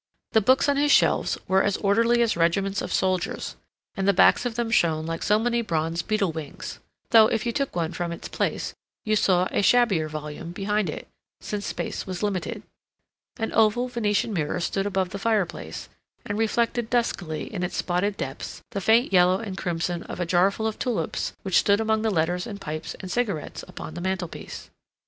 The books on his shelves were as orderly as regiments of soldiers, and the backs of them shone like so many bronze beetle wings; though, if you took one from its place you saw a shabbier volume behind it, since space was limited. An oval Venetian mirror stood above the fireplace, and reflected duskily in its spotted depths the faint yellow and crimson of a jarful of tulips which stood among the letters and pipes and cigarettes upon the mantelpiece.